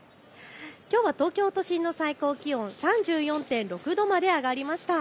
きょうは東京都心の最高気温、３４．６度まで上がりました。